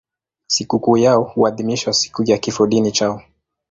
Sikukuu yao huadhimishwa siku ya kifodini chao.